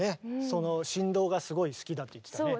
その振動がすごい好きだって言ってたね。